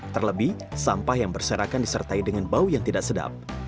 terlebih sampah yang berserakan disertai dengan bau yang tidak sedap